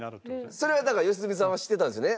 それはだから良純さんは知ってたんですね？